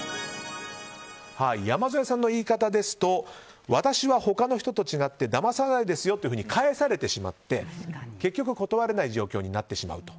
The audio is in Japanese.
山添さんの言い方ですと私は他の人と違ってだまさないですよと返されてしまって結局断れない状況になってしまうと。